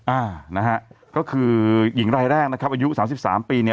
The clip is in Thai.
อ่านะฮะก็คือหญิงรายแรกนะครับอายุ๓๓ปี